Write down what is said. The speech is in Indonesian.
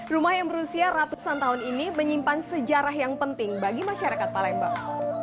rumah yang berusia ratusan tahun ini menyimpan sejarah yang penting bagi masyarakat palembang